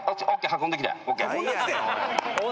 運んできて！？